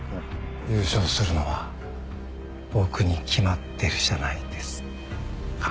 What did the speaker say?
優勝するのは僕に決まってるじゃないですか。